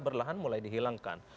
berlahan mulai dihilangkan